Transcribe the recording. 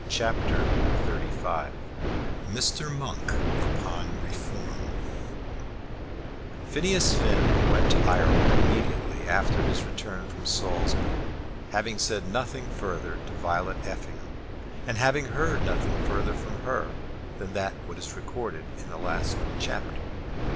CHAPTER XXXV Mr. Monk upon Reform Phineas Finn went to Ireland immediately after his return from Saulsby, having said nothing further to Violet Effingham, and having heard nothing further from her than what is recorded in the last chapter.